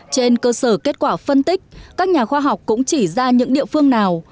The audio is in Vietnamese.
trên cơ sở kết quả phân tích các nhà khoa học cũng chỉ ra những địa phương nào